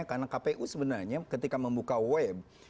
karena kpu sebenarnya ketika membuka web